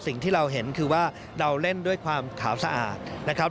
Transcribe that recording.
สิ่งที่เราเห็นคือว่าเราเล่นด้วยความขาวสะอาดนะครับ